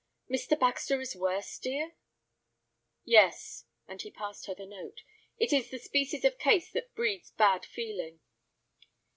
"Mr. Baxter is worse, dear?" "Yes," and he passed her the note; "it is the species of case that breeds bad feeling."